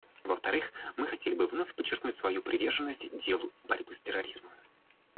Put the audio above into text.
Во-вторых, мы хотели бы вновь подчеркнуть свою приверженность делу борьбы с терроризмом.